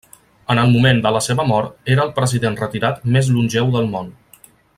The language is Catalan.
En el moment de la seva mort era el president retirat més longeu del món.